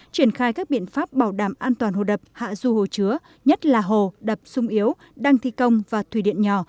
triển khai các biện pháp bảo đảm an toàn hồ đập hạ du hồ chứa nhất là hồ đập sung yếu đang thi công và thủy điện nhỏ